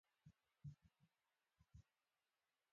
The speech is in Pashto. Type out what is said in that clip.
مقعر ګولایي د کاسې په څېر شکل لري